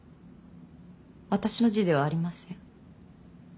私の字ではありません。